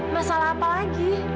masalah apa lagi